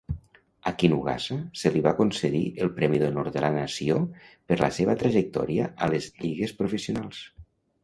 A Kinugasa se li va concedir el Premi d'Honor de la Nació per la seva trajectòria a les lligues professionals.